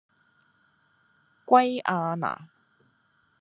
圭亞那